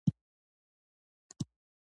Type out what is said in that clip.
شودران خدمتګاران وو.